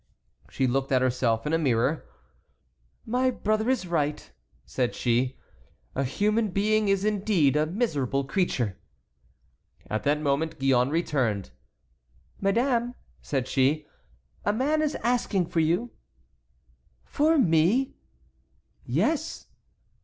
She looked at herself in a mirror. "My brother is right," said she; "a human being is indeed a miserable creature." At that moment Gillonne returned. "Madame," said she, "a man is asking for you." "For me?" "Yes."